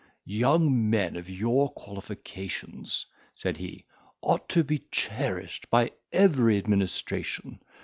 "Young men of your qualifications," said he, "ought to be cherished by every administration.